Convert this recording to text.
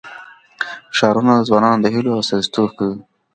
ښارونه د ځوانانو د هیلو استازیتوب کوي.